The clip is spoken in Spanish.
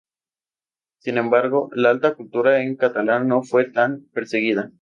Sin embargo, la alta cultura en catalán no fue tan perseguida.